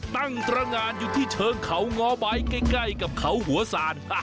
ตั้งตรงานอยู่ที่เชิงเขาง้อใบใกล้กับเขาหัวศาล